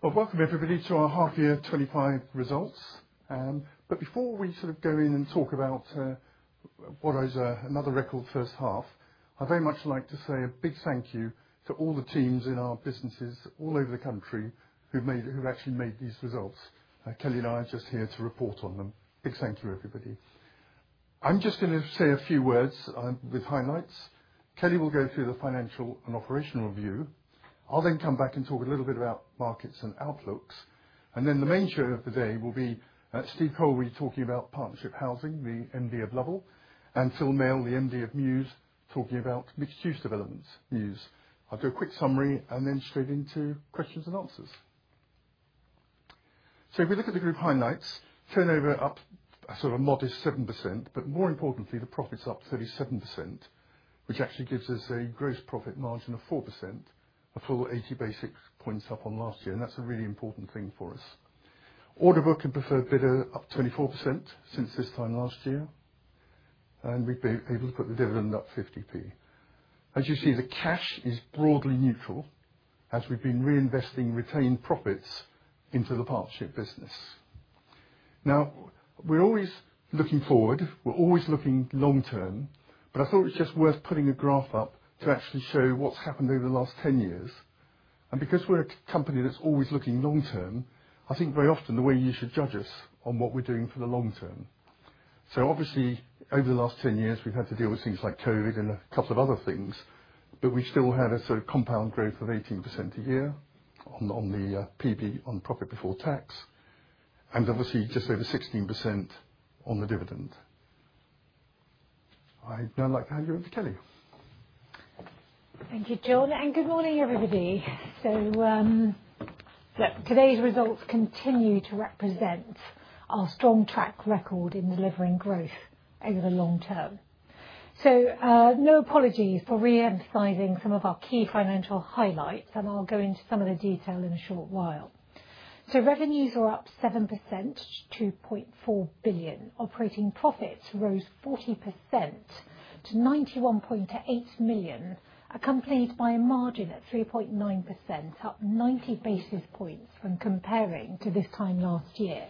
Welcome everybody to our half year 2025 results. But before we sort of go in and talk about what is another record first half, I'd very much like to say a big thank you to all the teams in our businesses all over the country who've made who've actually made these results. Kelly and I are just here to report on them. Big thank you everybody. I'm just going to say a few words with highlights. Kelly will go through the financial and operational view. Then come back and talk a little bit about markets and outlooks. And then the main show of the day will be Steve Colwill be talking about Partnership Housing, the MD of Lovell and Phil Mail, the MD of Mewes talking about mixed use developments. I'll do a quick summary and then straight into questions and answers. So if we look at the group highlights, turnover up sort of modest 7%, but more importantly the profit is up 37%, which actually gives us a gross profit margin of 4%, a full 80 basis points up on last year and that's a really important thing for us. Order book and preferred bidder up 24% since this time last year and we've been able to put the dividend up 50p. As you see the cash is broadly neutral as we've been reinvesting retained profits into the partnership business. Now we're always looking forward. We're always looking long term, But I thought it's just worth putting a graph up to actually show what's happened over the last ten years. And because we're a company that's always looking long term, I think very often the way you should judge us on what we're doing for the long term. So obviously over the last ten years we've had to deal with things like COVID and a couple of other things, but we still had a sort of compound growth of 18% a year on the PB on profit before tax and obviously just over 16% on the dividend. I'd now like to hand you over to Kelly. Thank you, John and good morning everybody. So look today's results continue to represent our strong track record in delivering growth over the long term. So no apologies for reemphasizing some of our key financial highlights and I'll go into some of the detail in a short while. So revenues were up 7% to £2,400,000,000 Operating profits rose 40% to £91,800,000 accompanied by a margin of 3.9%, up 90 basis points when comparing to this time last year.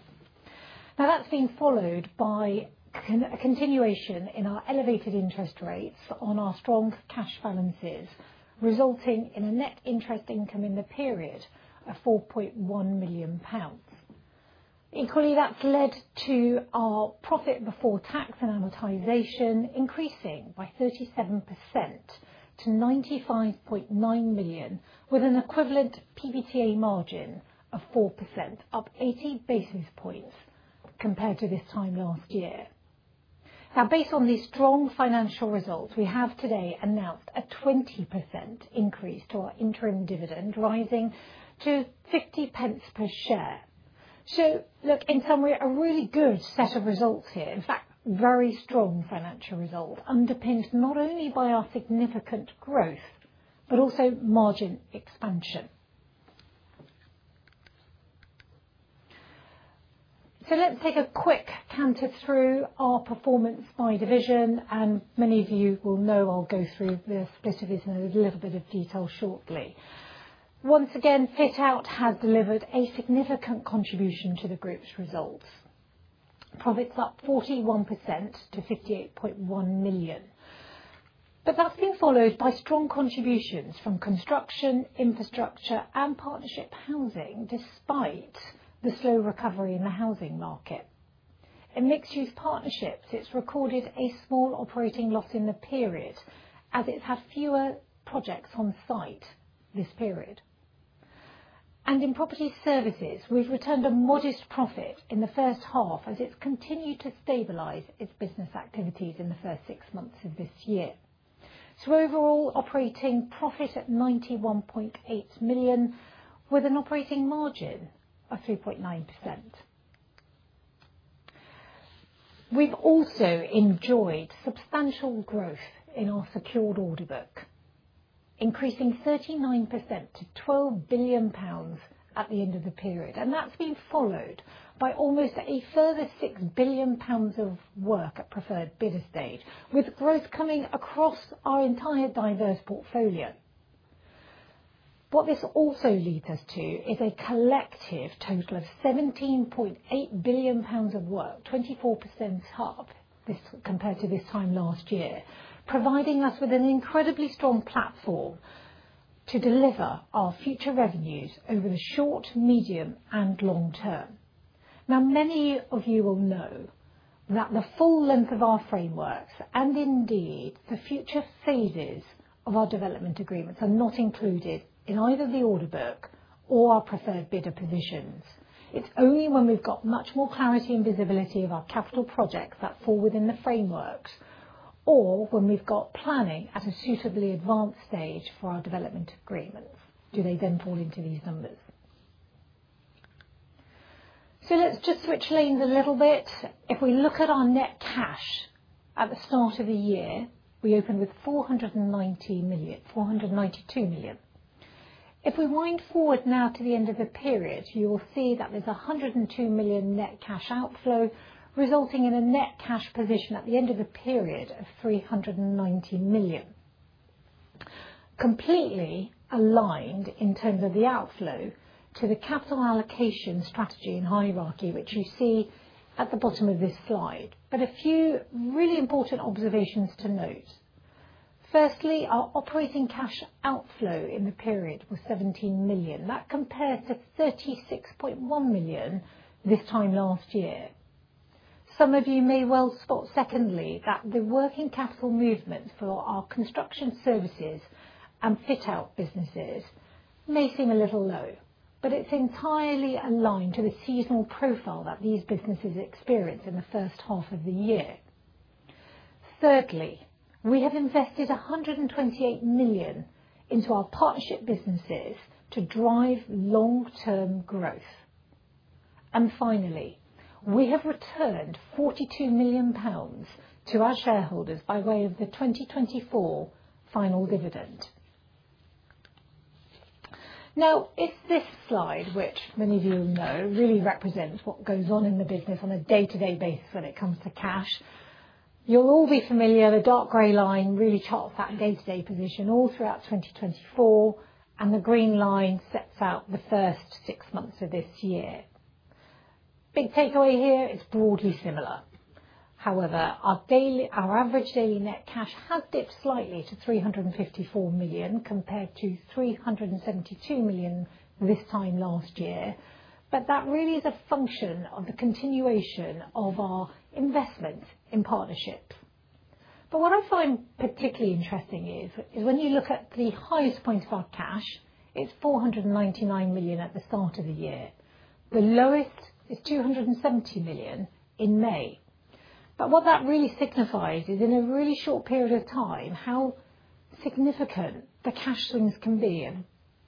Now that's been followed by a continuation in our elevated interest rates on our strong cash balances resulting in net interest income in the period of £4,100,000 Equally that's led to our profit before tax and amortization increasing by 37% to £95,900,000 with an equivalent PBTA margin of 4%, up 80 basis points compared to this time last year. Now based on these strong financial results, we have today announced a 20% increase to our interim dividend rising to £0.50 per share. So look in summary a really good set of results here. In fact very strong financial result underpinned not only by our significant growth, but also margin expansion. So let's take a quick canter through our performance by division and many of you will know I'll go through the split of this in a little bit of detail shortly. Once again, Fit Out has delivered a significant contribution to the group's results. Profit's up 41% to £58,100,000 But that's been followed by strong contributions from construction, infrastructure and partnership housing despite the slow recovery in the housing market. In mixed use partnerships, it's recorded a small operating loss in the period as it had fewer projects on-site this period. And in Property Services, we've returned a modest profit in the first half as it's continued to stabilize its business activities in the first six months of this year. So overall operating profit at 91.8 million with an operating margin of 3.9%. We've also enjoyed substantial growth in our secured order book increasing 39% to £12,000,000,000 at the end of the period. And that's been followed by almost a further £6,000,000,000 of work at preferred bidder stage with growth coming across our entire diverse portfolio. What this also leads us to is a collective total of £17,800,000,000 of work 24% up this compared to this time last year providing us with an incredibly strong platform to deliver our future revenues over the short, medium and long term. Now many of you will know that the full length of our frameworks and indeed the future phases of our development agreements are not included in either the order book or our preferred bidder positions. It's only when we've got much more clarity and visibility of our capital projects that fall within the frameworks or when we've got planning at a suitably advanced stage for our development agreements do they then fall into these numbers? So let's just switch lanes a little bit. If we look at our net cash at the start of the year, we opened with 492 million. If we wind forward now to the end of the period, you will see that there's 102 million net cash outflow resulting in a net cash position at the end of the period of £390,000,000 Completely aligned in terms of the outflow to the capital allocation strategy and hierarchy which you see at the bottom of this slide, but a few really important observations to note. Firstly, our operating cash outflow in the period was £17,000,000 That compares to £36,100,000 this time last year. Some of you may well spot secondly that the working capital movements for our Construction Services and Fit Out businesses may seem a little low, but it's entirely aligned to the seasonal profile that these businesses experience in the first half of the year. Thirdly, we have invested £128,000,000 into our partnership businesses to drive long term growth. And finally, we have returned £42,000,000 to our shareholders by way of the 2024 final dividend. Now if this slide which many of you know really represents what goes on in the business on a day to day basis when it comes to cash, you'll all be familiar the dark grey line really charts that day to day position all throughout 2024 and the green line sets out the first six months of this year. Big takeaway here it's broadly similar. However, our daily our average daily net cash has dipped slightly to £354,000,000 compared to £372,000,000 this time last year. But that really is a function of the continuation of our investments in partnership. But what I find particularly interesting is when you look at the highest point of our cash, it's £499,000,000 at the start of the year. The lowest is £270,000,000 in May. But what that really signifies is in a really short period of time how significant the cash swings can be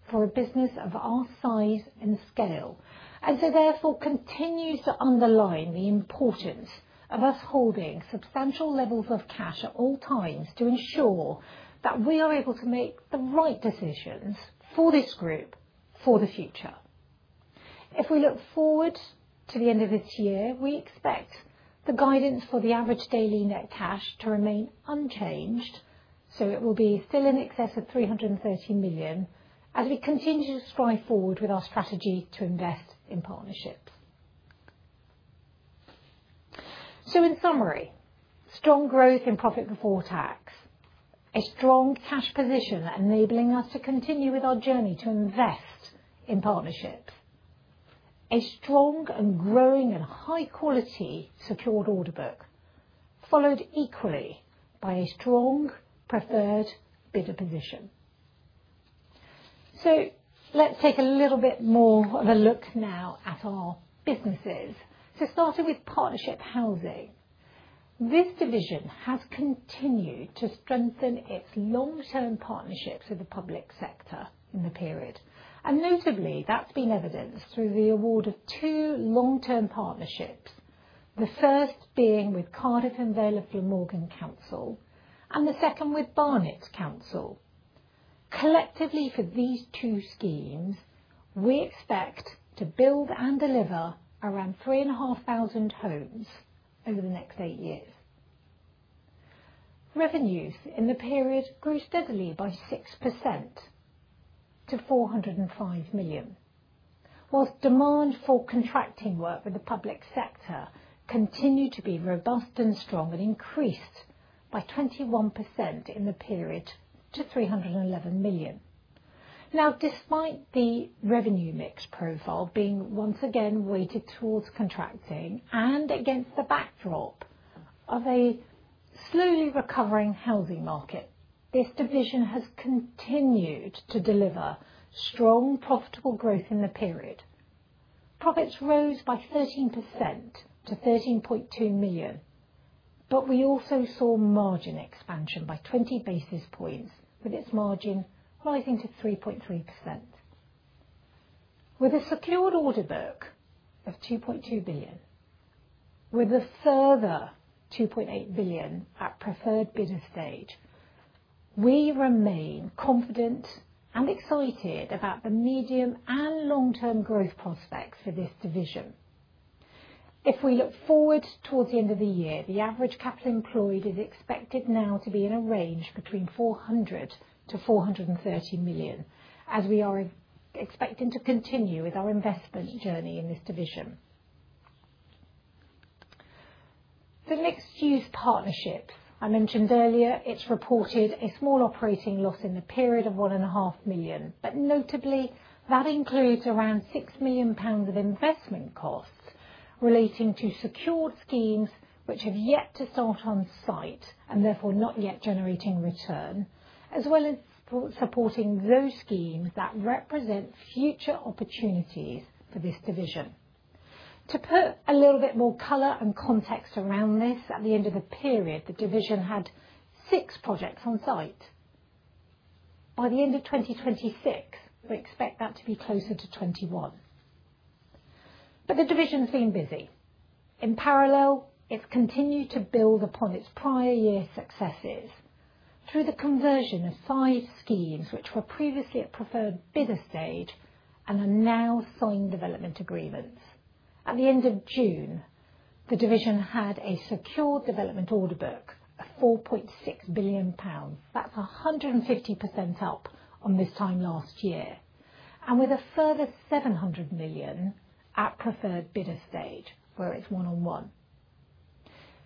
for a business of our size and scale. And so therefore continues to underline the importance of us holding substantial levels of cash at all times to ensure that we are able to make the right decisions for this group for the future. If we look forward to the end of this year, we expect the guidance for the average daily net cash to remain unchanged. So it will be still in excess of £330,000,000 as we continue to strive forward with our strategy to invest in partnerships. So in summary, strong growth in profit before tax, a strong cash position enabling us to continue with our journey to invest in partnerships, a strong and growing and high quality secured order book followed equally by a strong preferred bidder position. So let's take a little bit more of a look now at our businesses. So starting with Partnership Housing. This division has continued to strengthen its long term partnerships with the public sector in the period. And notably that's been evidenced through the award of two long term partnerships. The first being with Cardiff and Vele Flamorgan Council and the second with Barnett Council. Collectively for these two schemes, we expect to build and deliver around 3,500 homes over the next eight years. Revenues in the period grew steadily by 6% to $4.00 £5,000,000 whilst demand for contracting work with the public sector continued to be robust and strong and increased by 21% in the period to £311,000,000 Now despite the revenue mix profile being once again weighted towards contracting and against the backdrop of a slowly recovering healthy market. This division has continued to deliver strong profitable growth in the period. Profits rose by 13% to £13,200,000 but we also saw margin expansion by 20 basis points with its margin rising to 3.3%. With a secured order book of 2,200,000,000.0 with a further 2,800,000,000.0 at preferred business stage, we remain confident and excited about the medium and long term growth prospects for this division. If we look forward towards the end of the year, the average capital employed is expected now to be in a range between £400,000,000 to £430,000,000 as we are expecting to continue with our investment journey in this division. The mixed use partnership, I mentioned earlier, it's reported a small operating loss in the period of £1,500,000 but notably that includes around £6,000,000 of investment costs relating to secured schemes which have yet to start on-site and therefore not yet generating return as well as supporting those schemes that represent future opportunities for this division. To put a little bit more color and context around this at the end of the period the division had six projects on-site. By the 2026, we expect that to be closer to 2021. But the division has been busy. In parallel, it's continued to build upon its prior year successes through the conversion of five schemes which were previously at preferred business stage and are now signed development agreements. At the June, the division had a secured development order book of £4,600,000,000 That's 150% up on this time last year and with a further 700,000,000 at preferred bidder stage where it's one on one.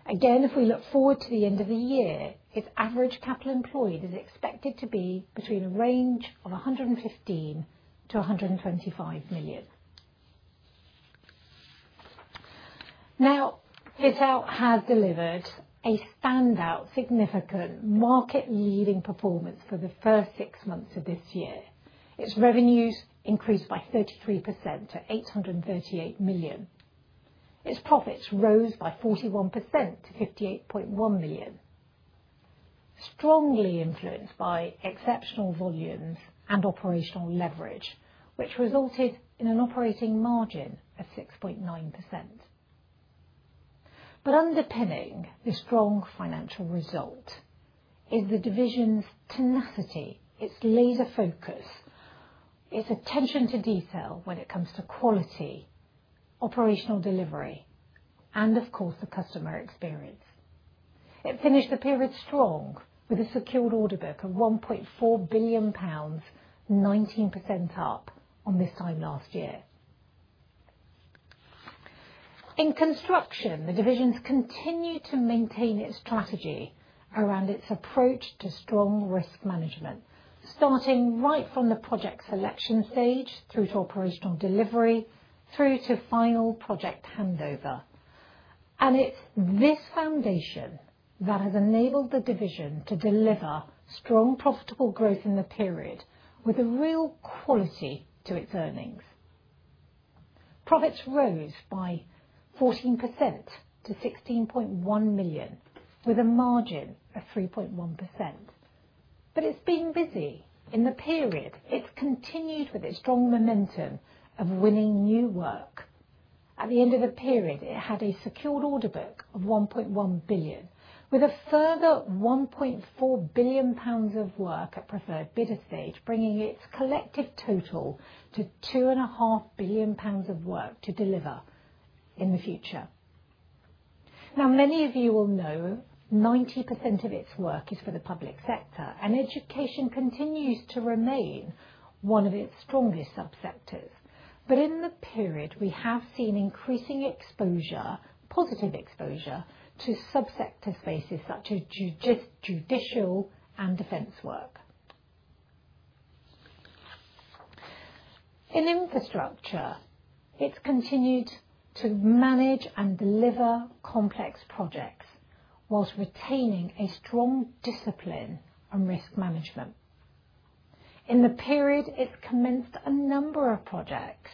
Again if we look forward to the end of the year, its average capital employed is expected to be between a range of 115 million to 125 million. Now Pitau has delivered a standout significant market leading performance for the first six months of this year. Its revenues increased by 33% to GBP $838,000,000. Its profits rose by 41% to 58,100,000.0, strongly influenced by exceptional volumes and operational leverage, which resulted in an operating margin of 6.9%. But underpinning the strong financial result is the division's tenacity, its laser focus, its attention to detail when it comes to quality, operational delivery and of course the customer experience. It finished the period strong with a secured order book of £1,400,000,000 19% up on this time last year. In Construction, the division's continued to maintain its strategy around its approach to strong risk management starting right from the project selection stage through to operational delivery through to final project handover. And it's this foundation that has enabled the division to deliver strong profitable growth in the period with a real quality to its earnings. Profits rose by 14% to £16,100,000 with a margin of 3.1%. But it's been busy. In the period, it's continued with its strong momentum of winning new work. At the end of the period, it had a secured order book of 1,100,000,000.0 with a further £1,400,000,000 of work at preferred bidder stage bringing its collective total to £2,500,000,000 of work to deliver in the future. Now many of you will know 90% of its work is for the public sector and education continues to remain one of its strongest subsectors. But in the period we have seen increasing exposure positive exposure to sub sector spaces such as judicial and defense work. In infrastructure, it's continued to manage and deliver complex projects, whilst retaining a strong discipline on risk management. In the period, it commenced a number of projects,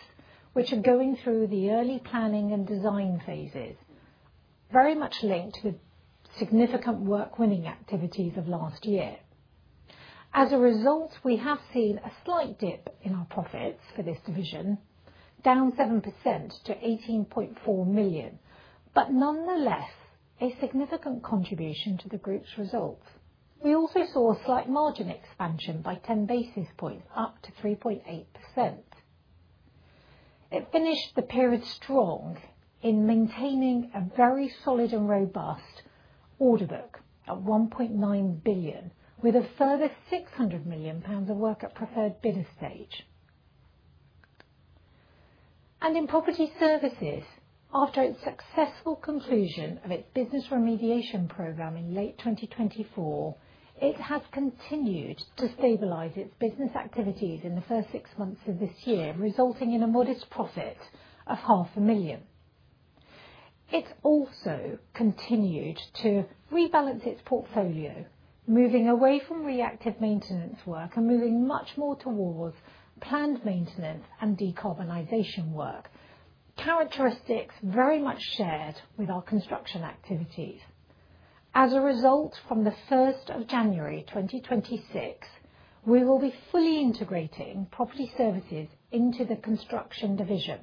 which are going through the early planning and design phases very much linked with significant work winning activities of last year. As a result, we have seen a slight dip in our profits for this division, down 7% to £18,400,000 but nonetheless a significant contribution to the group's results. We also saw a slight margin expansion by 10 basis points up to 3.8%. It finished the period strong in maintaining a very solid and robust order book at £1,900,000,000 with a further £600,000,000 of work at preferred bidder stage. And in Property Services, after its successful conclusion of its business remediation program in late twenty twenty four, it has continued to stabilize its business activities in the first six months of this year resulting in a modest profit of £500,000 It also continued to rebalance its portfolio moving away from reactive maintenance work and moving much more towards planned maintenance and decarbonization work characteristics very much shared with our construction activities. As a result from the 01/01/2026, we will be fully integrating Property Services into the Construction division.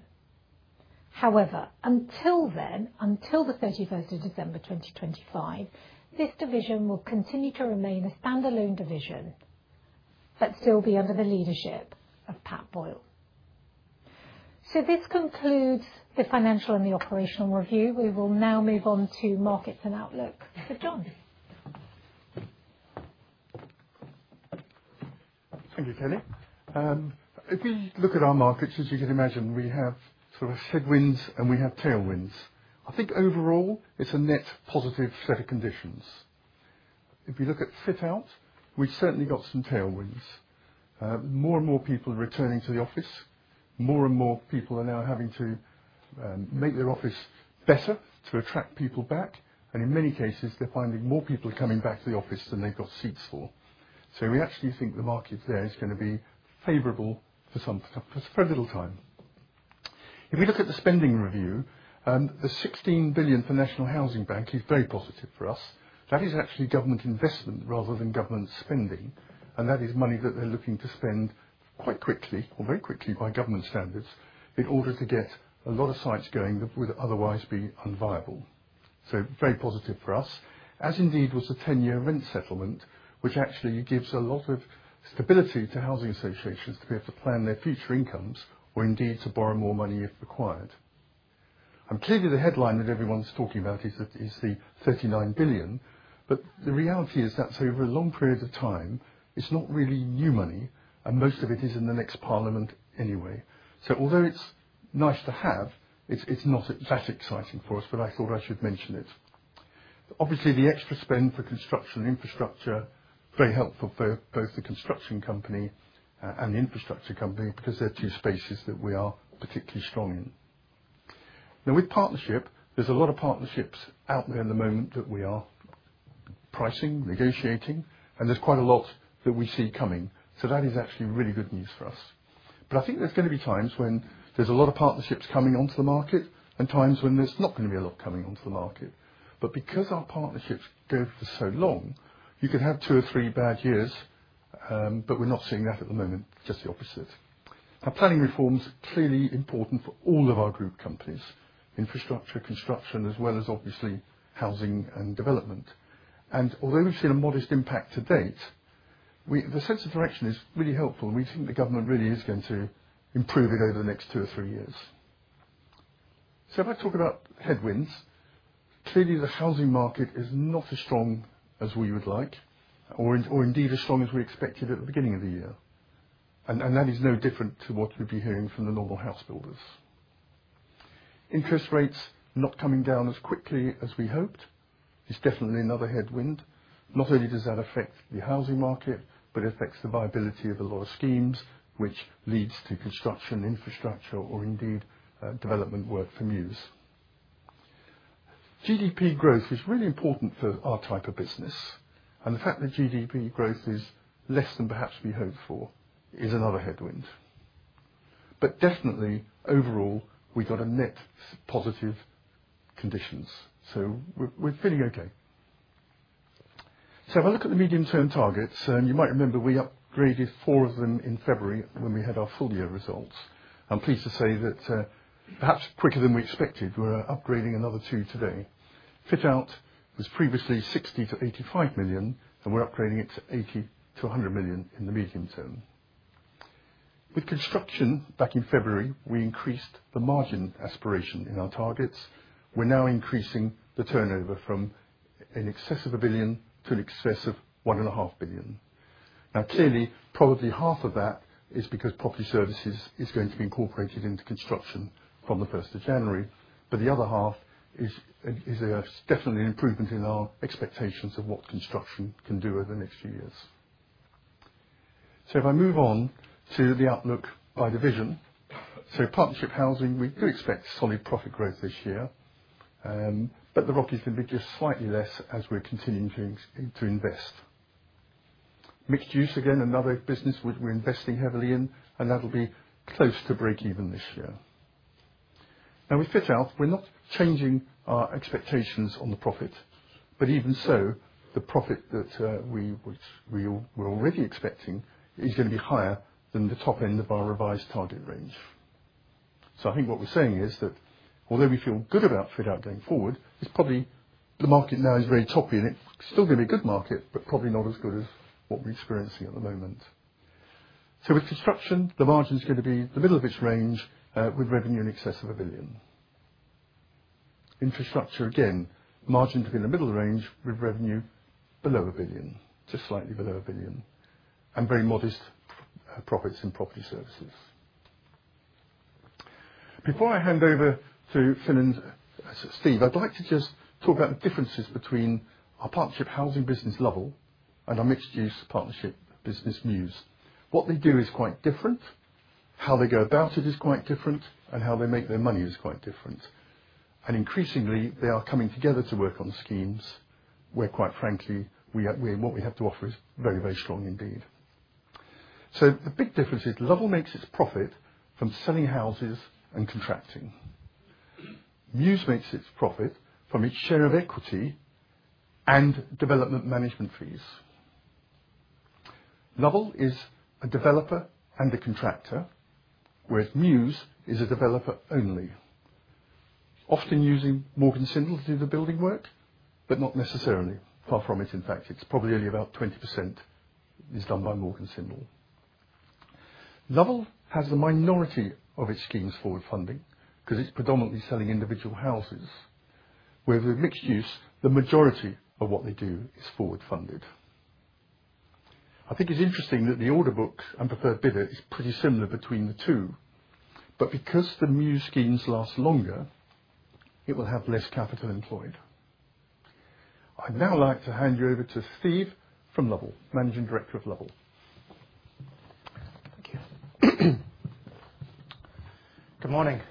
However, until then until the 12/31/2025, this division will continue to remain a stand alone division, but still be under the leadership of Pat Boyle. So this concludes the financial and the operational review. We will now move on to markets and outlook for John. Thank you, Kelly. If you look at our markets as you can imagine, we have sort of headwinds and we have tailwinds. I think overall it's a net positive set of conditions. If you look at fit out, we've certainly got some tailwinds. More and more people are returning to the office. More and more people are now having to make their office better to attract people back. And in many cases they're finding more people coming back to the office than they've got seats for. So we actually think the market there is going to be favorable for some for a little time. If we look at the spending review, and the £16,000,000,000 for National Housing Bank is very positive for us. That is actually government investment rather than government spending and that is money that they're looking to spend quite quickly or very quickly by government standards in order to get a lot of sites going that would otherwise be unviable. So very positive for us as indeed was a ten year rent settlement which actually gives a lot of stability to housing associations to be able to plan their future incomes or indeed to borrow more money if required. And clearly the headline that everyone's talking about is the £39,000,000,000 But the reality is that over a long period of time, it's not really new money and most of it is in the next parliament anyway. So although it's nice to have, it's not that exciting for us, but I thought I should mention it. Obviously, the extra spend for construction and infrastructure very helpful for both the construction company and the infrastructure company because they're two spaces that we are particularly strong in. Now with partnership, there's a lot of partnerships out there at the moment that we are pricing negotiating and there's quite a lot that we see coming. So that is actually really good news for us. But I think there's going to be times when there's a lot of partnerships coming onto the market and times when there's not going be a lot coming onto the market. But because our partnerships go for so long, you could have two or three bad years, but we're not seeing that at the moment just the opposite. Our planning reform is clearly important for all of our group companies infrastructure construction as well as obviously housing and development. And although we've seen a modest impact to date, sense of direction is really helpful and we think the government really is going to improve it over the next two or three years. So if I talk about headwinds, clearly the housing market is not as strong as we would like or indeed as strong as we expected at the beginning of the year. And that is no different to what you'd be hearing from the normal house builders. Interest rates not coming down as quickly as we hoped. It's definitely another headwind. Not only does that affect the housing market, but it affects the viability of a lot of schemes, which leads to construction infrastructure or indeed development work for Muse. GDP growth is really important for our type of business. And the fact that GDP growth is less than perhaps we hoped for is another headwind. But definitely overall we've got a net positive conditions. So we're feeling okay. So if I look at the medium term targets and you might remember we upgraded four of them in February when we had our full year results. I'm pleased to say that perhaps quicker than we expected we're upgrading another two today. Fit out was previously 60,000,000 to £85,000,000 and we're upgrading it to 80,000,000 to £100,000,000 in the medium term. With construction back in February, we increased the margin aspiration in our targets. We're now increasing the turnover from in excess of £1,000,000,000 to an excess of £1,500,000,000 Now clearly probably half of that is because Property Services is going to be incorporated into construction from the January 1, but the other half is definitely an improvement in our expectations of what construction can do over the next few years. So if I move on to the outlook by division. So Partnership Housing, we do expect solid profit growth this year, but the Rockies can be just slightly less as we're continuing to invest. Mixed use again another business we're investing heavily in and that will be close to breakeven this year. Now we fit out. We're not changing our expectations on the profit, but even so the profit that we're already expecting is going to be higher than the top end of our revised target range. So I think what we're saying is that although we feel good about fit out going forward, it's probably the market now is very choppy and it's still going be a good market, but probably not as good as what we're experiencing at the moment. So with Construction, the margin is going to be the middle of its range with revenue in excess of £1,000,000,000 Infrastructure again margin to be in the middle of the range with revenue below £1,000,000,000 just slightly below £1,000,000,000 and very modest profits in Property Services. Before I hand over to Finan's Steve, I'd like to just talk about the differences between our partnership housing business level and our mixed use partnership business news. What they do is quite different. How they go about it is quite different and how they make their money is quite different. And increasingly they are coming together to work on schemes where quite frankly what we have to offer is very, very strong indeed. So the big difference is Lovell makes its profit from selling houses and contracting. Mewes makes its profit from its share of equity and development management fees. Lubbock is a developer and a contractor, whereas Muse is a developer only, often using Morgan Sindle to do the building work, but not necessarily far from it in fact. It's probably only about 20% is done by Morgan Symbol. Lovell has the minority of its schemes forward funding because it's predominantly selling individual houses. Where with mixed use the majority of what they do is forward funded. I think it's interesting that the order book and preferred bidder is pretty similar between the two. But because the new schemes last longer, it will have less capital employed. I'd now like to hand you over to Steve from Lovell, Managing Director of Lovell. Thank you. Good morning.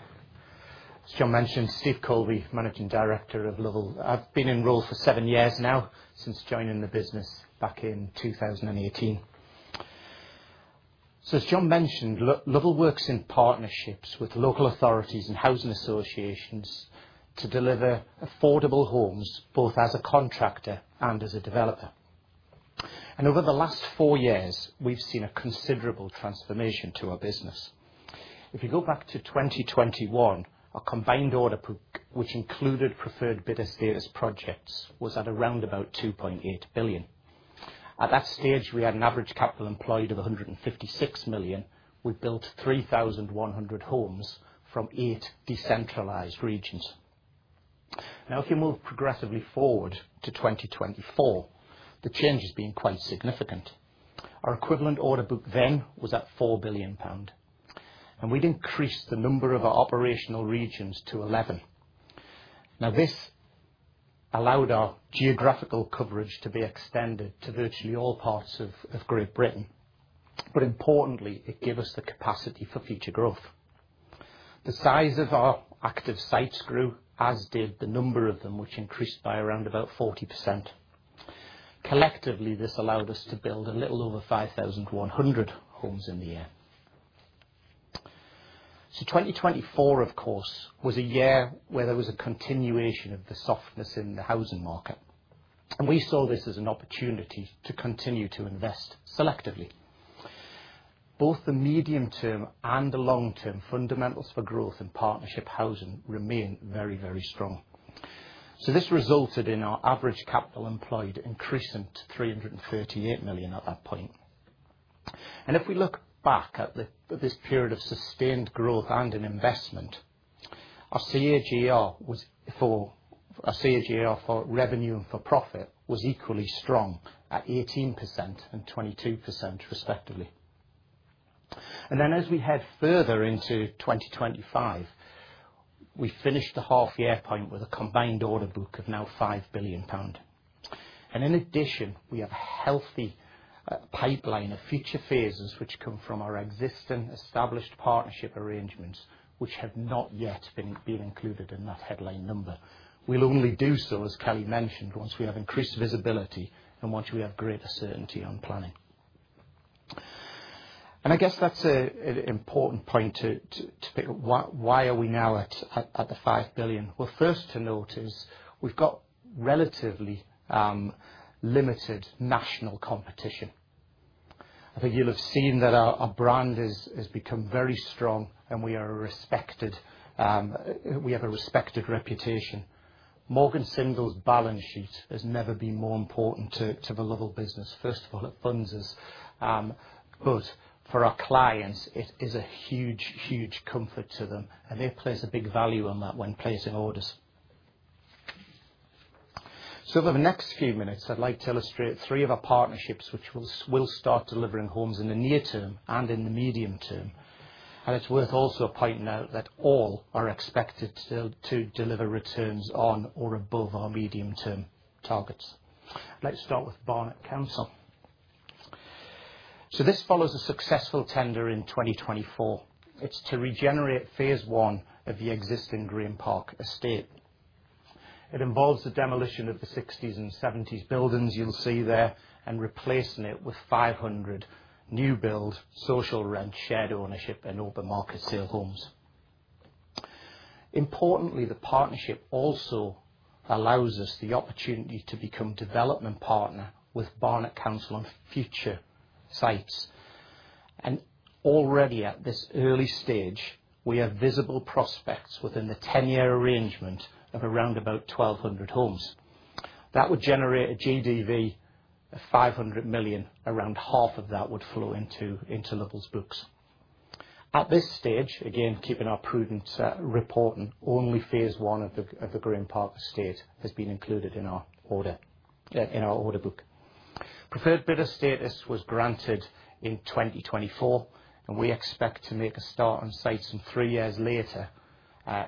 As John mentioned, Steve Colby, Managing Director of Lovell. I've been enrolled for seven years now since joining the business back in 2018. So as John mentioned, Lovell works in partnerships with local authorities and housing associations to deliver affordable homes both as a contractor and as a developer. And over the last four years, we've seen a considerable transformation to our business. If you go back to 2021, our combined order book which included preferred bidder status projects was at around about 2,800,000,000.0. At that stage, had an average capital employed of £156,000,000 We built 3,100 homes from eight decentralized regions. Now if you move progressively forward to 2024, the change has been quite significant. Our equivalent order book then was at £4,000,000,000 and we'd increased the number of our operational regions to 11. Now this allowed our geographical coverage to be extended to virtually all parts of Great Britain. But importantly, it gave us the capacity for future growth. The size of our active sites grew as did the number of them, which increased by around about 40%. Collectively, this allowed us to build a little over 5,100 homes in the year. So 2024 of course was a year where there was a continuation of the softness in the housing market and we saw this as an opportunity to continue to invest selectively. Both the medium term and the long term fundamentals for growth in partnership housing remain very, very strong. So this resulted in our average capital employed increasing to £338,000,000 at that point. And if we look back at this period of sustained growth and in investment, our CAGR was for our CAGR for revenue and for profit was equally strong at 1822% respectively. And then as we head further into 2025, we finished the half year point with a combined order book of now £5,000,000,000 And in addition, we have a healthy pipeline of future phases which come from our existing established partnership arrangements which have not yet been included in that headline number. We'll only do so as Kelly mentioned once we have increased visibility and once we have greater certainty on planning. And I guess that's an important point Are we now at the £5,000,000,000 Well, first to note is we've got relatively limited national competition. I think you'll have seen that our brand has become very strong and we have a respected reputation. Morgan Single's balance sheet has never been more important to the Lovell business. First of all, it funds us. But for our clients, it is a huge, huge comfort to them and they place a big value on that when placing orders. So over the next few minutes, I'd like to illustrate three of our partnerships which will start delivering homes in the near term and in the medium term. And it's worth also pointing out that all are expected to deliver returns on or above our medium term targets. Let's start with Barnett Council. So this follows a successful tender in 2024. It's to regenerate Phase one of the existing Green Park estate. It involves the demolition of the 60s and 70s buildings you'll see there and replacing it with 500 new build social rent shared ownership and open market sale homes. Importantly, the partnership also allows us the opportunity to become development partner with Barnett Council on future sites. And already at this early stage, we have visible prospects within the ten year arrangement of around about 1,200 homes. That would generate a GDV of £500,000,000 around half of that would flow into books. At this stage, again keeping our prudent reporting only Phase one of the Grim Park estate has been included in our order book. Preferred bidder status was granted in 2024 and we expect to make a start on-site some three years later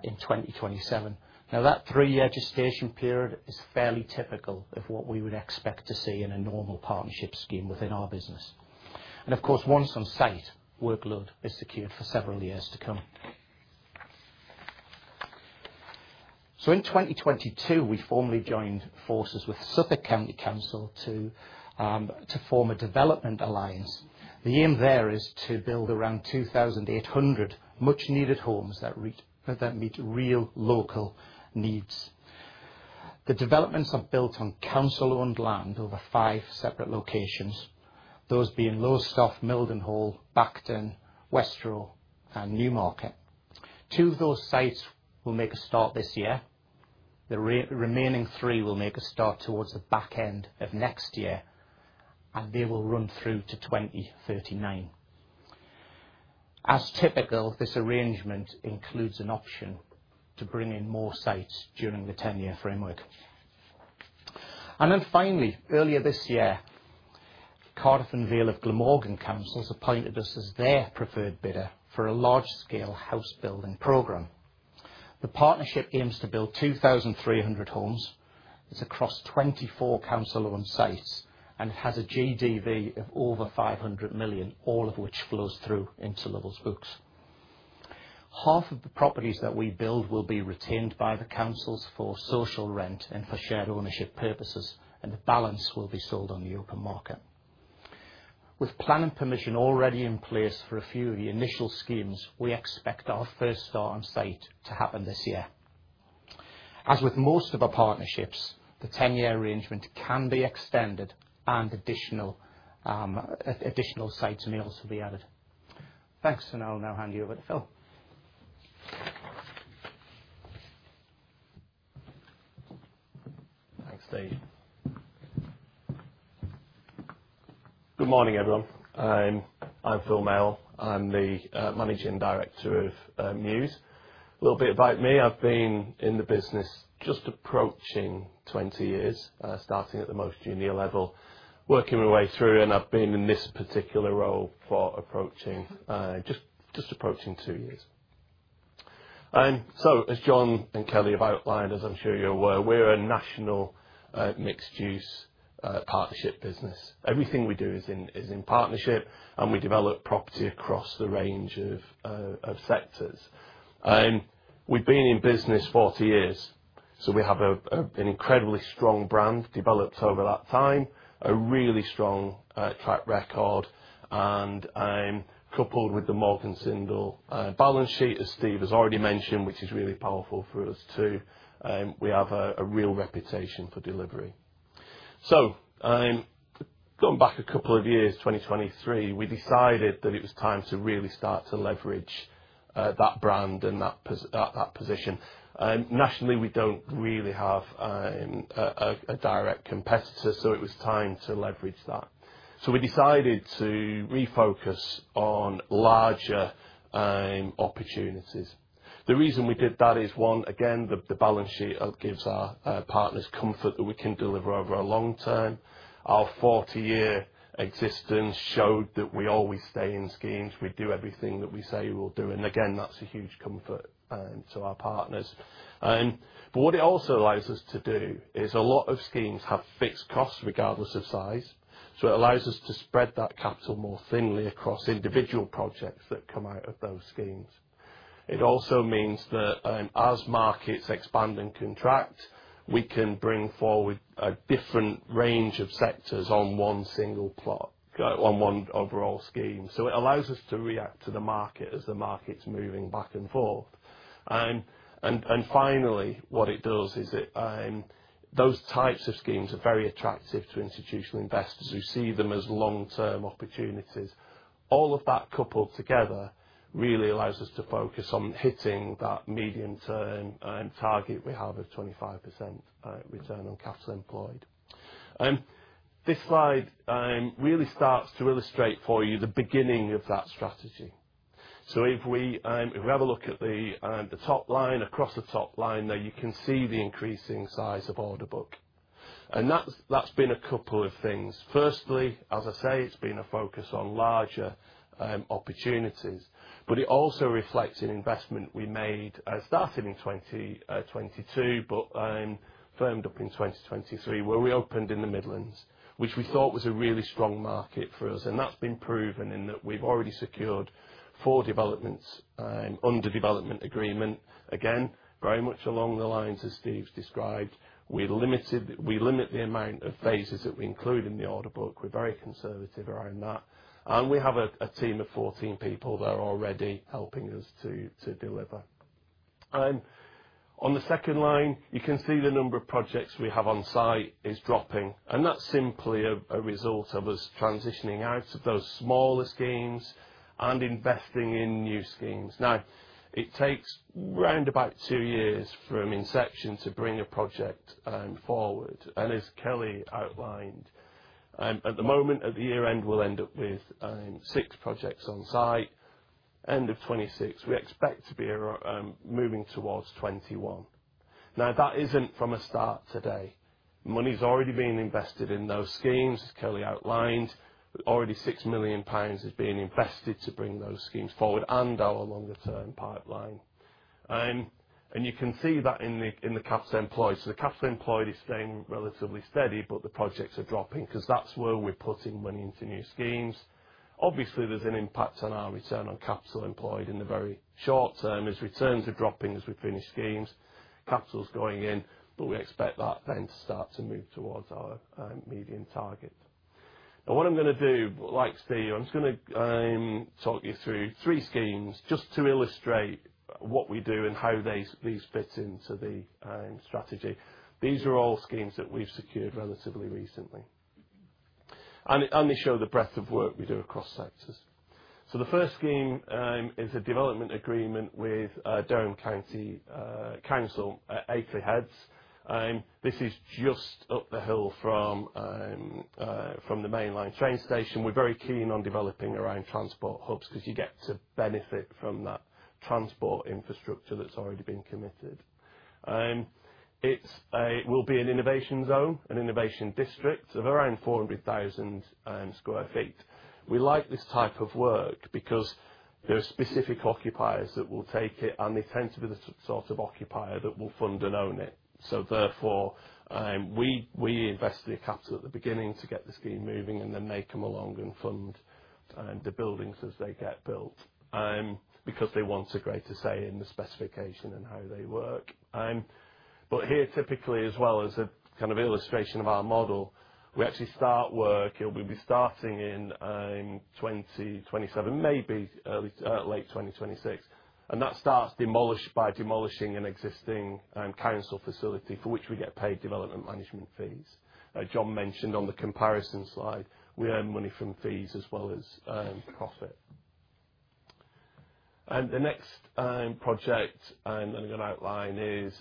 in 2027. Now that three year gestation period is fairly typical of what we would expect to see in a normal partnership scheme within our business. And of course once on-site workload is secured for several years to come. So in 2022, we formally joined forces with Suffolk County Council to form a development alliance. The aim there is to build around 2,800 much needed homes that meet real local needs. The developments are built on council owned land over five separate locations those being Lowstaff, Mildenhall, Bachton, Westerow and Newmarket. Two of those sites will make a start this year. The remaining three will make a start towards the back end of next year and they will run through to 02/1939. As typical this arrangement includes an option to bring in more sites during the ten year framework. And then finally earlier this year, Cardiff and Vale of Glamorgan Councils appointed us as their preferred bidder for a large scale house building program. The partnership aims to build 2,300 homes. It's across 24 council owned sites and has a GDV of over £500,000,000 all of which flows through into Lovell's books. Half of the properties that we build will be retained by the councils for social rent and for shared ownership purposes and the balance will be sold on the open market. With plan and permission already in place for a few of the initial schemes, we expect our first start on-site to happen this year. As with most of our partnerships, the ten year arrangement can be extended and additional sites may also be added. Thanks. And I'll now hand you over to Phil. Thanks, Steve. Good morning, everyone. I'm Phil Mel. I'm the Managing Director of News. A little bit about me. I've been in the business just approaching twenty years starting at the most junior level working my way through and I've been in this particular role for approaching just approaching two years. And so as John and Kelly have outlined as I'm sure you're aware, we're a national mixed use partnership business. Everything we do is in partnership and we develop property across the range of sectors. And we've been in business forty years. So we have an incredibly strong brand developed over that time, a really strong track record. And coupled with the Morgansindle balance sheet as Steve has already mentioned, which is really powerful for us too. We have a real reputation for delivery. So going back a couple of years 2023, we decided that it was time to really start to leverage that brand and that position. Nationally, we don't really have a direct competitor. So it was time to leverage that. So we decided to refocus on larger opportunities. The reason we did that is one, again the balance sheet gives our partners comfort that we can deliver over a long term. Our forty year existence showed that we always stay in schemes. We do everything that we say we'll do. And again that's a huge comfort to our partners. But what it also allows us to do is a lot of schemes have fixed costs regardless of size. So it allows us to spread that capital more thinly across individual projects that come out of those schemes. It also means that as markets expand and contract, we can bring forward a different range of sectors on one single plot on one overall scheme. So it allows us to react to the market as the market is moving back and forth. And finally, what it does is it those types of schemes are very attractive to institutional investors who see them as long term opportunities. All of that coupled together really allows us to focus on hitting that medium term target we have of 25% return on capital employed. This slide really starts to illustrate for you the beginning of that strategy. So if we have a look at the top line across the top line there you can see the increasing size of order book. And that's been a couple of things. Firstly, as I say, it's been a focus on larger opportunities. But it also reflects an investment we made starting in 2022, but firmed up in 2023 where we opened in The Midlands, which we thought was a really strong market for us. And that's been proven in that we've already secured four developments under development agreement, again very much along the lines as Steve's described, we limited we limit the amount of phases that we include in the order book. We're very conservative around that. And we have a team of 14 people that are already helping us to deliver. On the second line, can see the number of projects we have on-site is dropping. And that's simply a result of us transitioning out of those smaller schemes and investing in new schemes. Now it takes roundabout two years from inception to bring a project forward. And as Kelly outlined at the moment at the year end we'll end up with six projects on-site 2026. We expect to be moving towards 2021. Now that isn't from a start today. Money has already been invested in those schemes as Kelly outlined already £6,000,000 is invested to bring those schemes forward and our longer term pipeline. And you can see that in the capital employed. So the capital employed is staying relatively steady, but the projects are dropping because that's where we're putting money into new schemes. Obviously, there's an impact on our return on capital employed in the very short term as returns are dropping as we finish schemes. Capital is going in, but we expect that then to start to move towards our medium target. Now what I'm going to do like Steve, I'm just going to talk you through three schemes just to illustrate what we do and how these fit into the strategy. These are all schemes that we've secured relatively recently And they show the breadth of work we do across sectors. So the first scheme is a development agreement with Durham County Council Akerley Heads. And This is just up the hill from the mainline train station. We're very keen on developing around transport hubs because you get to benefit from that transport infrastructure that's already been committed. And it's will be an innovation zone, an innovation district of around 400,000 square feet. We like this type of work because there are specific occupiers that will take it and they tend to be the sort of occupier that will fund and own it. So therefore, we invest the capital at the beginning to get the scheme moving and then they come along and fund the buildings as they get built, because they want a greater say in the specification and how they work. But here typically as well as a kind of illustration of our model, we actually start work. We'll be starting in 2027 maybe early late twenty twenty six. And that starts demolished by demolishing an existing council facility for which we get paid development management fees. As John mentioned on the comparison slide, we earn money from fees as well as profit. And the next project that I'm going to outline is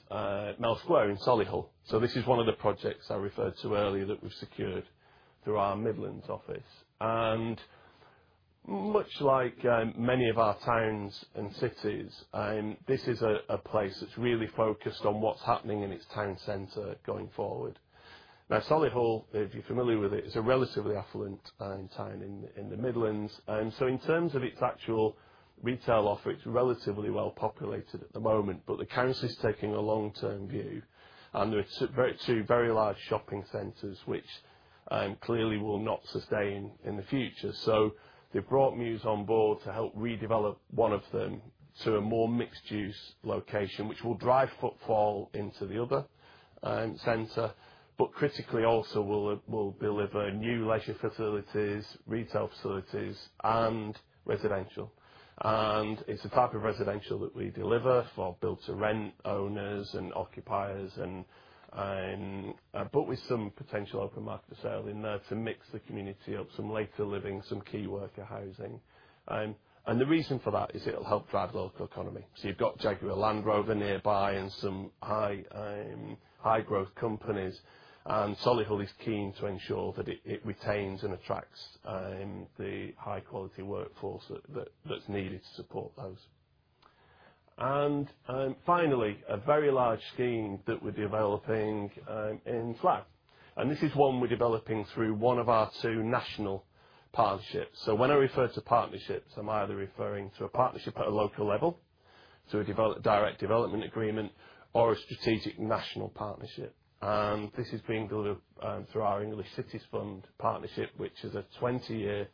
Mel Square in Solihull. So this is one of the projects I referred to earlier that we've secured through our Midlands office. And much like many of our towns and cities, this is a place that's really focused on what's happening in its town center going forward. Now Solihull, if you're familiar with it, it's a relatively affluent town in the Midlands. And so in terms of its actual retail offer, it's relatively well populated at the moment, but the currency is taking a long term view. And there are two very large shopping centers, which clearly will not sustain in the future. So they brought Muse on board to help redevelop one of them to a more mixed use location, which will drive footfall into the other center, but critically also will deliver new leisure facilities, retail facilities and residential. And it's a type of residential that we deliver for build to rent owners and occupiers and but with some potential open market for sale in there to mix the community up some later living some key worker housing. And the reason for that is it will help drive local economy. So you've got Jaguar Land Rover nearby and some high growth companies. And Solihull is keen to ensure that it retains and attracts the high quality workforce that's needed to support those. And finally, a very large scheme that we're developing in Flag. And this is one we're developing through one of our two national partnerships. So when I refer to partnerships, I'm either referring to a partnership at a local level, so a direct development agreement or a strategic national partnership. And this is being built through our English Cities Fund partnership, which is a twenty year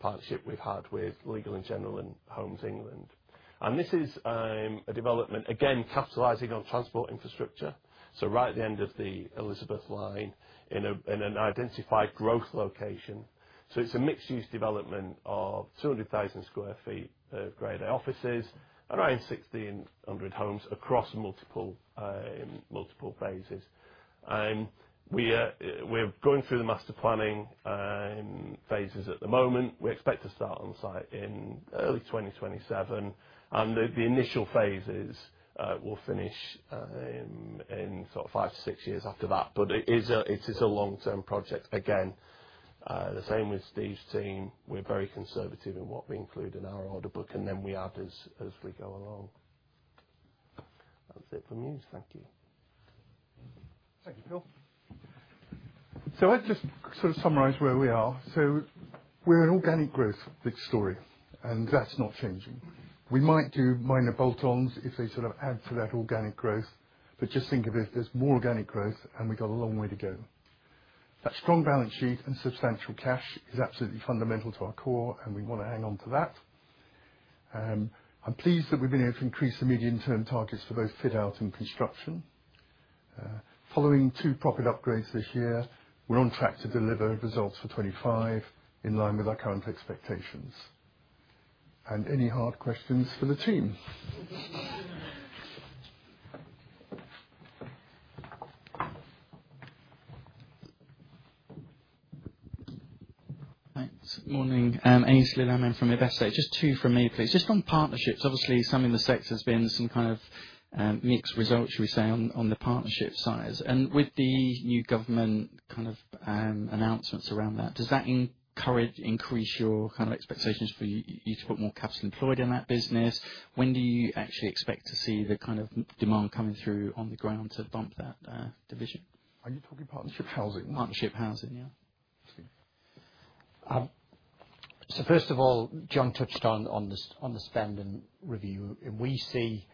partnership we've had with Legal and General and Homes England. And this is a development again capitalizing on transport infrastructure. So right at the end of the Elizabeth Line in an identified growth location. So it's a mixed use development of 200,000 square feet of grade A offices around 1,600 homes across multiple phases. And we're going through the master planning phases at the moment. We expect to start on-site in early twenty twenty seven. And the initial phases will finish in sort of five to six years after that. But it is a long term project. Again the same with Steve's team. We're very conservative in what we include in our order book and then we add as we go along. That's it for me. Thank you. Thank you, Phil. So I'd just sort of summarize where we are. So we're an organic growth big story and that's not changing. We might do minor bolt ons if they sort of add to that organic growth, but just think of it as more organic growth and we've got a long way to go. That strong balance sheet and substantial cash is absolutely fundamental to our core and we want to hang on to that. I'm pleased that we've been able to increase the medium term targets for both fit out and construction. Following two profit upgrades this year, we're on track to deliver results for 2025 in line with our current expectations. And any hard questions for the team? Thanks. Good morning. Aynes Lelandman from Iveso. Just two for me please. Just on partnerships, obviously some in the sector has been some kind of mixed results should we say on the partnership size. And with the new government kind of announcements around that does that encourage increase your kind of expectations for you to put more capital employed in that business? When do you actually expect to see the kind of demand coming through on the ground to bump that division? Are you talking partnership housing? Partnership housing, yes. So first of all, John touched on the spend We see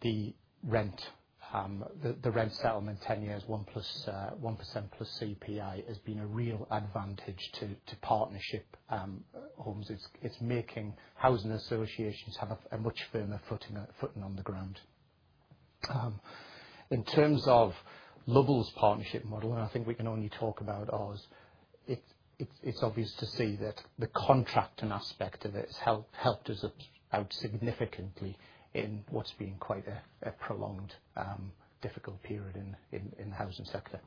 the rent settlement ten years 1% plus CPI has been a real advantage to partnership homes. It's making housing associations have a much firmer footing on the ground. In terms of Lubbels partnership model, and I think we can only talk about ours, it's obvious to see that the contracting aspect of it has helped us out significantly in what's been quite a prolonged difficult period in the housing sector.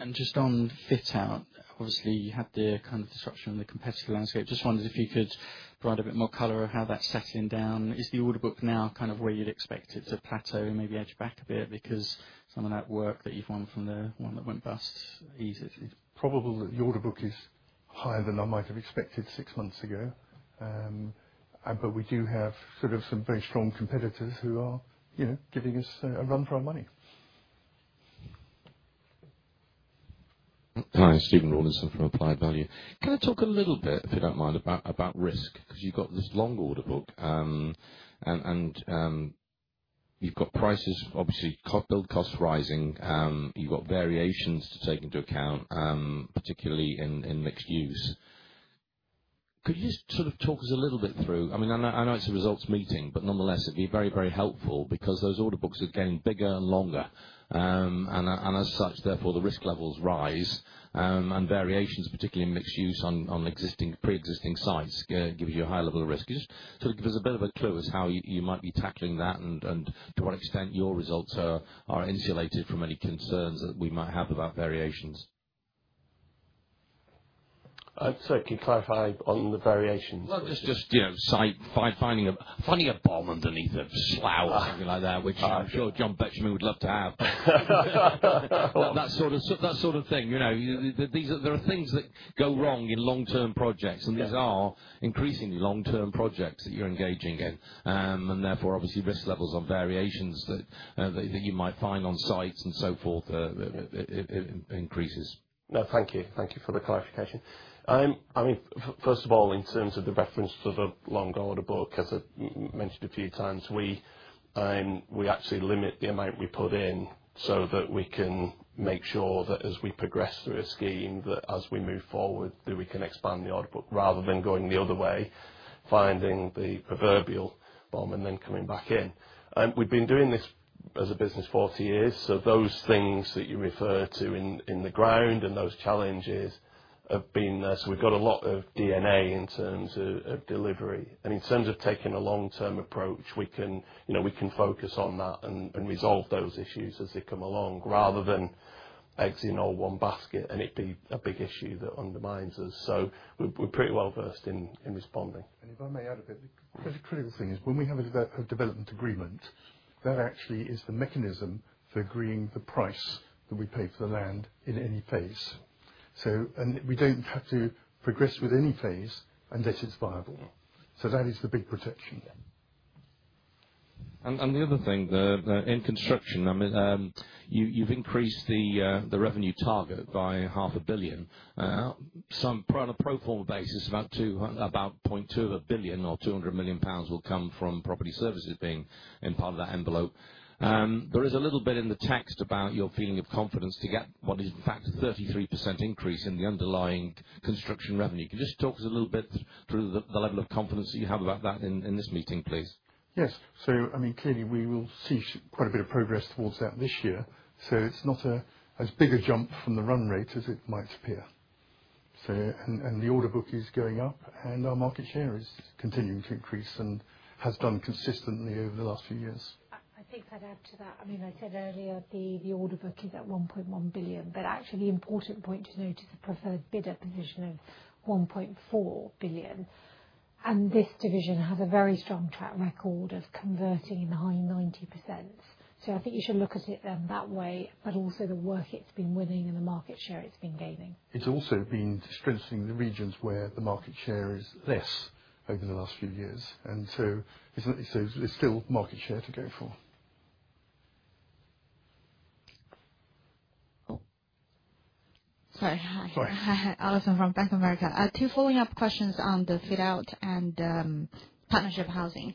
And just on fit out, obviously you had the kind of disruption in the competitive landscape. Just wondered if you could provide a bit more color on how that's settling down. Is the order book now kind of where you'd expect it to plateau and maybe edge back a bit because some of that work that you've won from the one that went bust easily? It's probable that the order book is higher than I might have expected six months ago. But we do have sort of some very strong competitors who are giving us a run for our money. Hi. Stephen Rawlinson from Applied Value. Can I talk a little bit if you don't mind about risk? Because you've got this long order book and you've got prices obviously, build costs rising. You've got variations to take into account particularly in mixed use. Could you just sort of talk us a little bit through I mean, know it's a results meeting, but nonetheless it'd be very, very helpful because those order books are getting bigger and longer. And as such therefore the risk levels rise and variations particularly mixed use on existing pre existing sites gives you a high level of risk. Just sort of give us a bit of a clue as how you might be tackling that and to what extent your results are insulated from any concerns that we might have about variations? I'd certainly clarify on the variations. Well, just finding a bomb underneath a slough or something like that which I'm sure John Betshamy would love to have. That sort of thing. These are there are things that go wrong in long term projects and these are increasingly long term projects that you're engaging in. And therefore obviously risk levels of variations that you might find on sites and so forth increases. No. Thank you. Thank you for the clarification. I mean first of all in terms of the reference to the long order book as I mentioned a few times, we actually limit the amount we put in so that we can make sure that as we progress through a scheme that as we move forward that we can expand the order book rather than going the other way finding the proverbial bomb and then coming back in. We've been doing this as a business forty years. So those things that you refer to in the ground and those challenges have been there. So we've got a lot of DNA in terms of delivery. And in terms of taking a long term approach, we can focus on that and resolve those issues as they come along rather than exiting all one basket and it'd be a big issue that undermines us. So we're pretty well versed in responding. And if I may add a bit, critical thing is when we have a development agreement that actually is the mechanism for agreeing the price that we pay for the land in any phase. So and we don't have to progress with any phase unless it's viable. So that is the big protection. And the other thing in Construction, I mean, you've increased the revenue target by 500,000,000.0 Some on a pro form a basis about £200,000,000 or £200,000,000 will come from Property Services being in part of that envelope. There is a little bit in the text about your feeling of confidence to get what is in fact 33% increase in the underlying construction revenue. Can you just talk us a little bit through the level of confidence that you have about that in this meeting please? Yes. So I mean clearly we will see quite a bit of progress towards that this year. So it's not as big a jump from the run rate as it might appear. So and the order book is going up and our market share is continuing to increase and has done consistently over the last few years. I think I'd add to that. I mean I said earlier the order book is at £1,100,000,000 But actually the important point to note is the preferred bidder position of £1,400,000,000 And this division has a very strong track record of converting in the high 90%. So I think you should look at it then that way, but also the work it's been winning and the market share it's been gaining. It's also been strengthening the regions where the market share is less over the last few years. And so there's still market share to go for. Allison from Bank of America. Two following up questions on the fit out and partnership housing.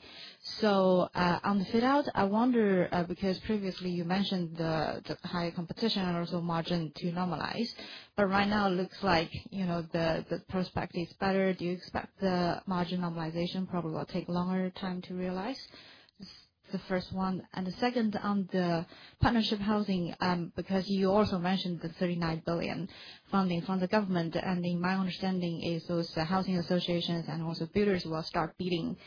So on the fit out, I wonder because previously you mentioned the higher competition and also margin to normalize. But right now it looks like the prospect is better. Do you expect the margin normalization probably will take longer time to realize? The first one. And the second on the partnership housing, because you also mentioned the 39 billion funding from the government. And my understanding is those housing associations and also builders will start beating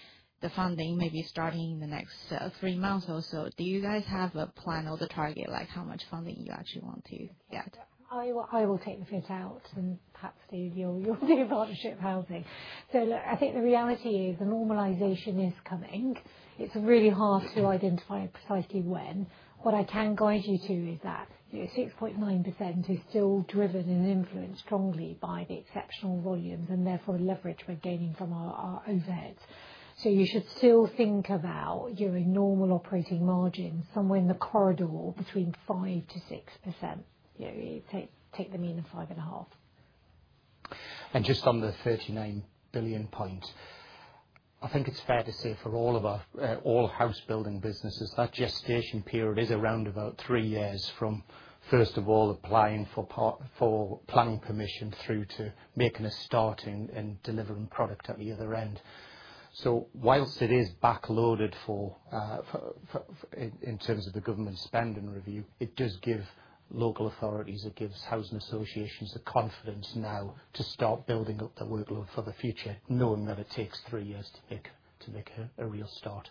the funding maybe starting in the next three months or so. Do you guys have a plan or the target like how much funding you actually want to get? I will take the fit out and perhaps you'll do partnership housing. So look, I think the reality is the normalization is coming. It's really hard to identify precisely when. What I can guide you to is that 6.9% is still driven and influenced strongly by the exceptional volumes and therefore leverage we're gaining from our OVADs. So you should still think about your normal operating margin somewhere in the corridor between 5% to 6% take the mean of 5.5%. And just on the £39,000,000,000 point, I think it's fair to say for all of our all housebuilding businesses that gestation period is around about three years from first of all applying for planning permission through to making a start and delivering product at the other end. So whilst it is backloaded for in terms of the government spending review, it does give local authorities. It gives housing associations the confidence now to start building up the workload for the future knowing that it takes three years to pick to make a real start.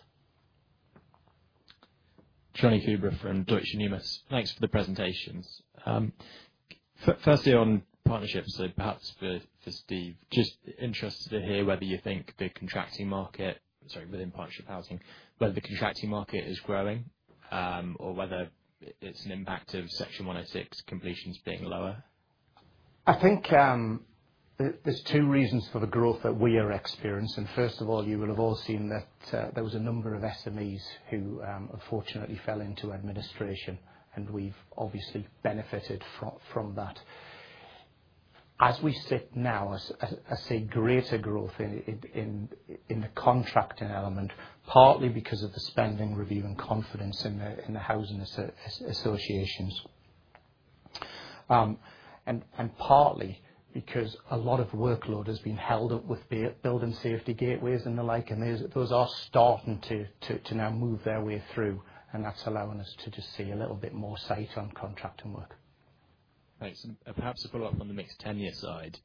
Johnny Kubra from Deutsche Numis. Thanks for the presentations. Firstly on partnerships, so perhaps for Steve, just interested to hear whether you think the contracting market sorry within partnership housing, whether the contracting market is growing or whether it's an impact of Section 106 completions being lower? I think there's two reasons for the growth that we are experiencing. First of all, you will have all seen that there was a number of SMEs who unfortunately fell into administration and we've obviously benefited from that. As we sit now, see greater growth in the contracting element partly because of the spending review and confidence in the housing associations. And partly because a lot of workload has been held up with building safety gateways and the like and those are starting to now move their way through and that's allowing us to just see a little bit more sight on contracting work. Thanks. And perhaps a follow-up on the mixed tenure side.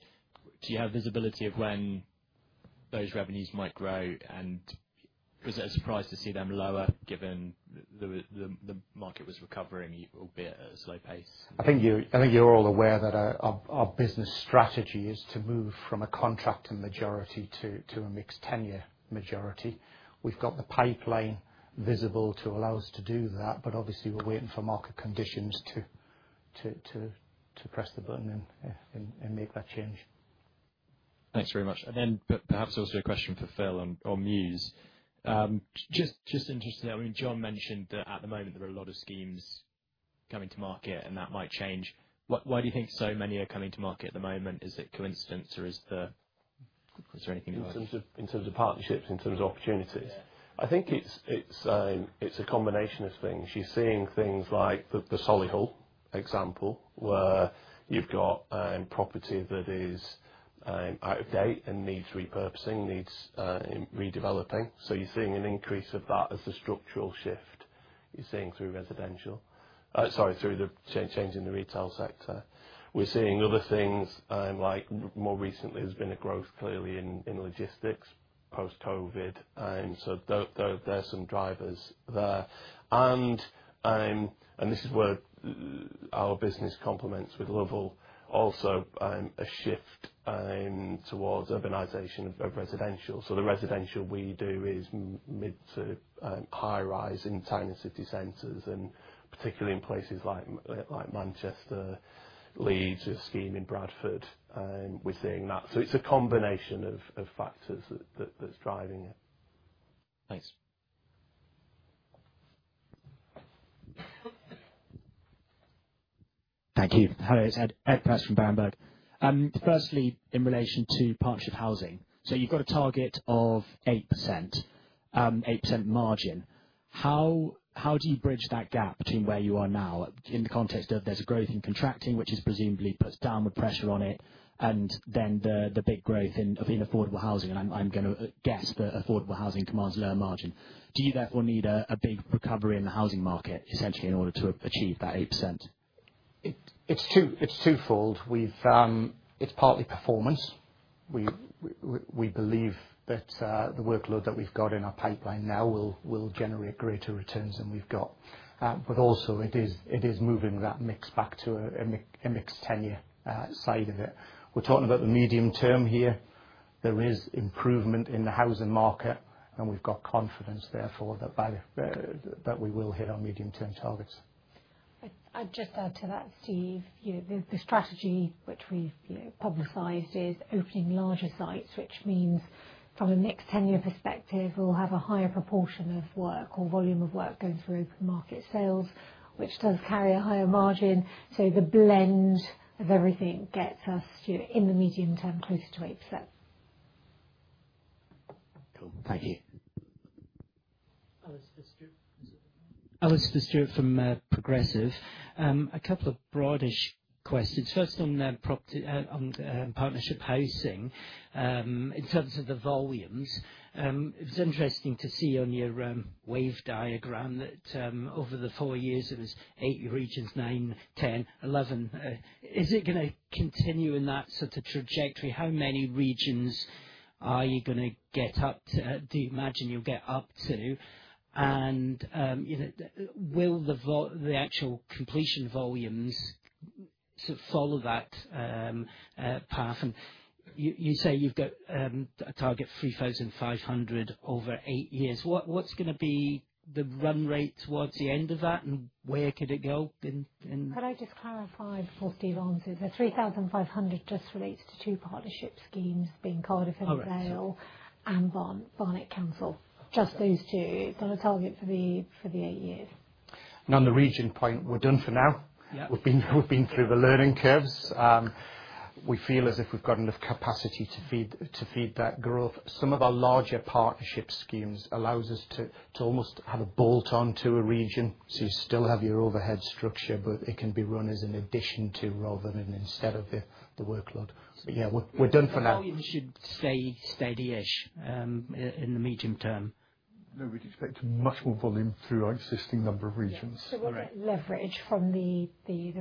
Do you have visibility of when those revenues might grow? And was it a surprise to see them lower given the market was recovering albeit at a slow pace? I think you're all aware that our business strategy is to move from contracting majority to a mixed tenure majority. We've got the pipeline visible to allow us to do that. But obviously, we're waiting for market conditions to press the button and make that change. Thanks very much. And then perhaps also a question for Phil on Muse. Just interested, I mean John mentioned that at the moment there are a lot of schemes coming to market and that might change. Why do you think so many are coming to market at the moment? Is it coincidence or is there anything like that? In terms of partnerships, in terms of opportunities. I think it's a combination of things. You're seeing things like the Solihull example where you've got property that is out of date and needs repurposing, needs redeveloping. So you're seeing an increase of that as a structural shift you're seeing through residential sorry through the change in the retail sector. We're seeing other things like more recently there's been a growth clearly in logistics post COVID. And so there are some drivers there. And this is where our business complements with Lovell also a shift towards urbanization of residential. So the residential we do is mid to high rise in tiny city centers and particularly in places like Manchester Leeds scheme in Bradford we're seeing that. So it's a combination of factors that's driving it. Thanks. Thank you. Hello. It's Ed Press from Berenberg. Firstly, in relation to Partnership Housing. So you've got a target of 8% margin. How do you bridge that gap between where you are now in the context of there's growth in contracting which is presumably puts downward pressure on it and then the big growth in affordable housing? And I'm going to guess that affordable housing commands lower margin. Do you therefore need a big recovery in the housing market essentially in order to achieve that 8%? It's twofold. We've it's partly performance. We believe that the workload that we've got in our pipeline now will generate greater returns than we've got. But also it is moving that mix back to a mix tenure side of it. We're talking about the medium term here. There is improvement in the housing market and we've got confidence therefore that we will hit our medium term targets. I'd just add to that Steve. The strategy which we've publicized is opening larger sites which means from a next tenure perspective we'll have a higher proportion of work or volume of work going through open market sales which does carry a higher margin. So the blend of everything gets us in the medium term closer to 8%. Thank you. Alastair Stuart from Progressive. A couple of broadish questions. First on the property on partnership housing. In terms of the volumes, it was interesting to see on your wave diagram that over the four years it was eight regions nine, ten, 11. Is it going to continue in that sort of trajectory? How many regions are you going to get up to do you imagine you'll get up to? And will the actual completion volumes sort of follow that path? And you say you've got a target 3,500 over eight years. What's going to be the run rate towards the end of that? And where could it go in? Could I just clarify before Steve answers? The 3,500 just relates to two partnership schemes being Cardiff and and Barnett Council. Just those two got a target for the eight years. And on the region point we're done for now. We've been through the learning curves. We feel as if we've got enough capacity to feed that growth. Some of our larger partnership schemes allows us to almost have a bolt on to a region. So you still have your overhead structure, but it can be run as an addition to rather than instead of the workload. So yes, we're done for now. Volume should stay steady ish in the medium term? No. We'd expect much more volume through our existing number of regions. So what about leverage from the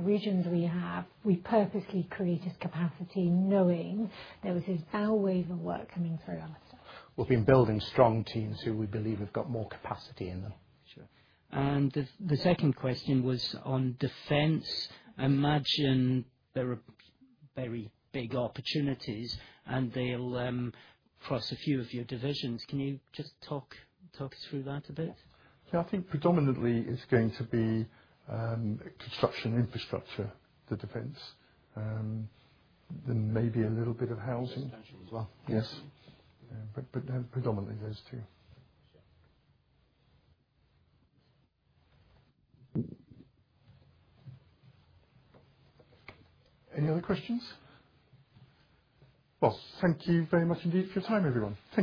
regions we have? We purposely created capacity knowing there was this bow wave of work coming through us. We've been building strong teams who we believe have got more capacity in them. Sure. And the second question was on Defence. I imagine there are very big opportunities and they'll cross a few of your divisions. Can you just talk us through that a bit? Yes. Think predominantly it's going to be construction infrastructure, the defense. There may be a little bit of housing. Residential as well. Yes. But predominantly those two. Any other questions? Well, thank you very much indeed for your time everyone. Thank you.